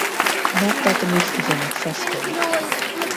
Not that the music is inaccessible.